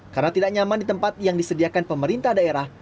karena tidak nyaman di tempat yang disediakan pemerintah daerah